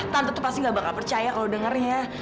tante tuh pasti gak bakal percaya kalau dengarnya